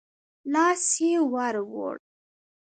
لاس يې ورووړ.